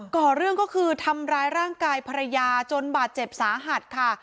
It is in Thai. ่อเรื่องก็คือทำร้ายร่างกายภรรยาจนบาดเจ็บสาหัสค่ะ